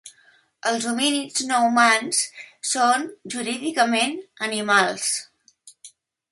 Els homínids no humans són, jurídicament, animals.